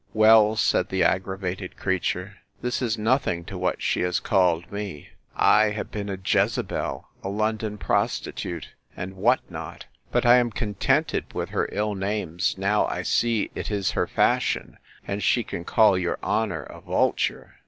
Well, said the aggravated creature, this is nothing to what she has called me: I have been a Jezebel, a London prostitute, and what not?—But I am contented with her ill names, now I see it is her fashion, and she can call your honour a vulture.